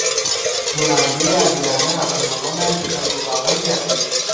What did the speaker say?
د مالیې عادلانه راټولونه د خلکو باور زیاتوي.